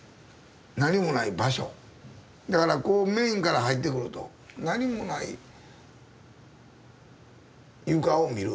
だからこうメインから入ってくると何もない床を見る。